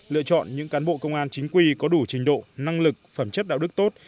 lựa chọn những cán bộ công an chính quy có đủ trình độ năng lực phẩm chất đạo đức tốt